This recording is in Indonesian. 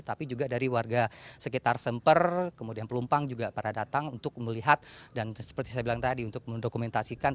tapi juga dari warga sekitar semper kemudian pelumpang juga pada datang untuk melihat dan seperti saya bilang tadi untuk mendokumentasikan